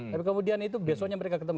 tapi kemudian itu besoknya mereka ketemu